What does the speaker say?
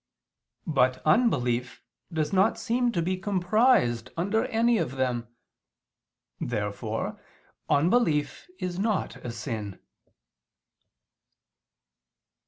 But unbelief does not seem to be comprised under any of them. Therefore unbelief is not a sin.